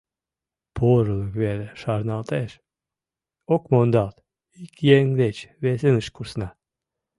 Порылык веле шарналтеш, ок мондалт, ик еҥ деч весыныш кусна.